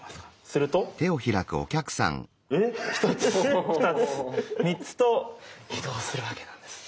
すると１つ２つ３つと移動するわけなんです。